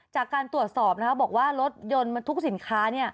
จากการตรวจสอบบอกว่ารถยนต์มันทุกสินค้า